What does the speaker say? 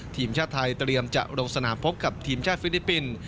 ทีมชาติไทยเตรียมจะลงสนามพบกับทีมชาติฟิลิปปินส์